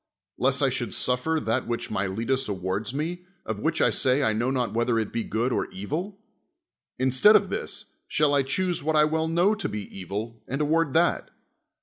lest I should suffer that which Miletus awards me, of which I say I know not whether it be good or evil? instead of this, shall I choose what I well know to be evil, and award that?